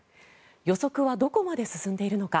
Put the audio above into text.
予測はどこまで進んでいるのか。